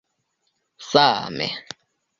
Same.